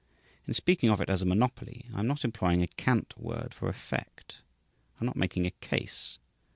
In speaking of it as a "monopoly," I am not employing a cant word for effect. I am not making a case.